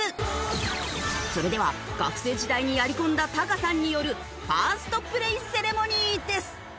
それでは学生時代にやり込んだタカさんによるファーストプレイセレモニーです。